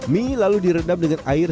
mie lalu direndam dengan air